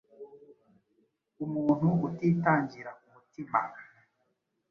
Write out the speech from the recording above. Umuntu utitangira ku mutima,